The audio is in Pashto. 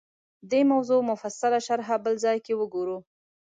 دې موضوع مفصله شرحه بل ځای کې وګورو